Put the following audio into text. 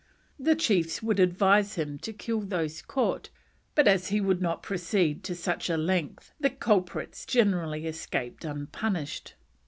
The chiefs would advise him to kill those caught, but as he would not proceed to such a length the culprits generally escaped unpunished.